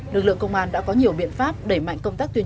lực lượng công an đã có nhiều thông tin